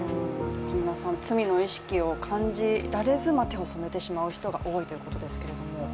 罪の意識を感じられず手を染めてしまう人が多いということですけれども？